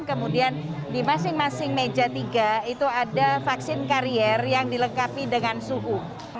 kemudian di masing masing meja tiga itu ada vaksin karier yang dilengkapi dengan suhu